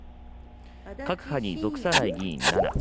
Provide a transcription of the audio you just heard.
各派に属さない議員７。